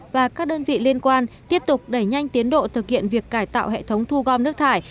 và các đơn vị liên quan tiếp tục đẩy nhanh tiến độ thực hiện việc cải tạo hệ thống thu gom nước thải